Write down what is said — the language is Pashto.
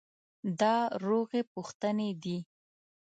دا روغې پوښتنې دي.